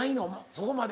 そこまで。